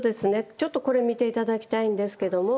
ちょっとこれ見て頂きたいんですけども。